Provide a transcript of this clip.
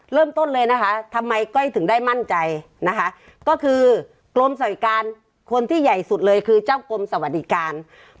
เริ่มต้นเลยนะคะทำไมก้อยถึงได้มั่นใจนะคะก็คือกรมสวัสดิการคนที่ใหญ่สุดเลยคือเจ้ากรมสวัสดิการ